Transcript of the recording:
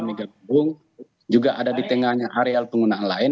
megabung juga ada di tengahnya areal penggunaan lain